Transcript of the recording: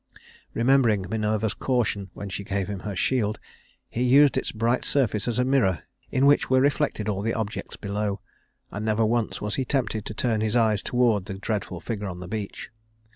Remembering Minerva's caution when she gave him her shield, he used its bright surface as a mirror in which were reflected all the objects below; and never once was he tempted to turn his eyes toward the dreadful figure on the beach.